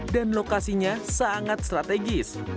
dan lokasinya sangat seratus